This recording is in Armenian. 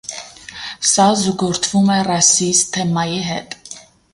Սա զուգորդվում է ռասիզմ թեմայի հետ։